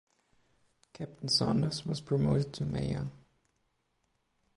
Captain Saunders was promoted to Major.